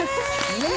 えっ！